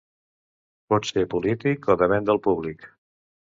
Pot ser polític o de venda al públic.